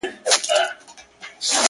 له دېوالونو یې رڼا پر ټوله ښار خپره ده ـ